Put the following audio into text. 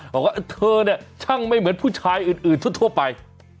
บอกว่าเธอเนี่ยช่างไม่เหมือนผู้ชายอื่นทั่วไป